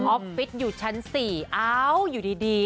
อฟฟิศอยู่ชั้น๔เอ้าอยู่ดี